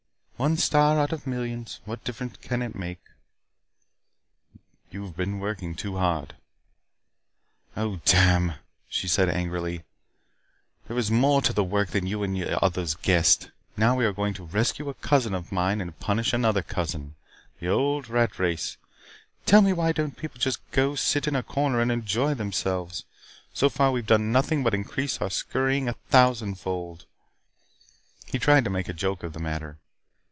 "One star out of millions. What difference does it make?" "You have been working too hard " "Oh, damn!" she said angrily. "There is more to the work than you and the others guessed. Now, we are going to rescue a cousin of mine and to punish another cousin. The old rat race. Tell me why don't people just go sit in a corner and enjoy themselves. So far, we have done nothing but increase our scurrying a thousand fold." He tried to make a joke of the matter.